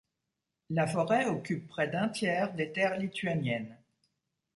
La forêt occupe près d'un tiers des terres lituaniennes.